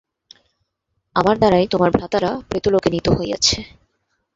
আমার দ্বারাই তোমার ভ্রাতারা প্রেতলোকে নীত হইয়াছে।